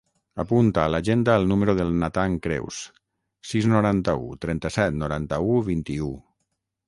Apunta a l'agenda el número del Nathan Creus: sis, noranta-u, trenta-set, noranta-u, vint-i-u.